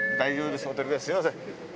すみません。